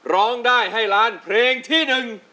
ร้องได้ให้ล้านเพลงที่หนึ่ง